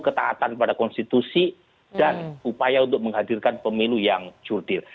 ketaatan pada konstitusi dan upaya untuk menghadirkan pemilu yang jurdil